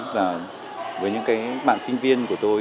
và với những bạn sinh viên của tôi